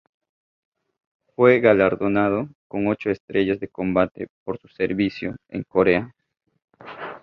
Fue galardonado con ocho estrellas de combate por su servicio en Corea.